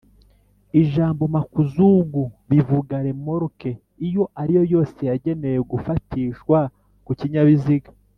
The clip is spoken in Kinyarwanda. ijambo’’makuzugu’’bivuga remoruke iyo ariyo yose yagenewe gufatishwa ku kinyabizi